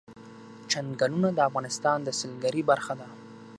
چنګلونه د افغانستان د سیلګرۍ برخه ده.